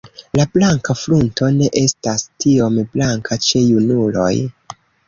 La blanka frunto ne estas tiom blanka ĉe junuloj.